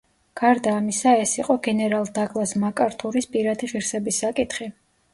გარდა ამისა ეს იყო გენერალ დაგლას მაკართურის პირადი ღირსების საკითხი.